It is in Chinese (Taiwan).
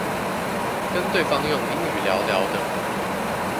跟對方用英語聊聊的